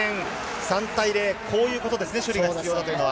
３対０、こういうことですね、処理が必要だというのは。